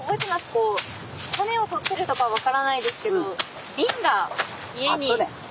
こうタネをとってるとか分からないですけど瓶が家にありました。